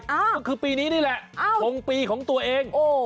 ก็คือปีนี้นี่แหละชงปีของตัวเอง